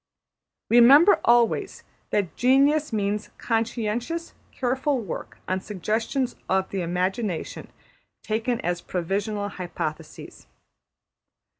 Remember always that Genius means conscientious, careful work on suggestions of the imagination taken as provisional hypotheses.